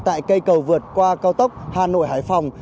tại cây cầu vượt qua cao tốc hà nội hải phòng